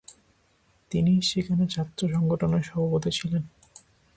তিনি সেখানে ছাত্র সংগঠনের সভাপতি ছিলেন।